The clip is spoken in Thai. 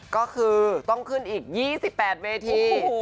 ก็คือต้องขึ้นอีก๒๘เวที